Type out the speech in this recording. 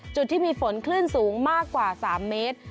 จุดที่มีฝนคลื่นสูงมากกว่า๓เมตร